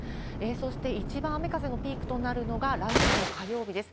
そして、一番雨風のピークとなるのが来週の火曜日です。